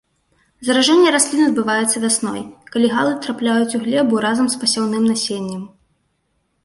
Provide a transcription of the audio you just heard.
Заражэнне раслін адбываецца вясной, калі галы трапляюць у глебу разам з пасяўным насеннем.